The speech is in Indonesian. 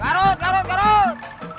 garut garut garut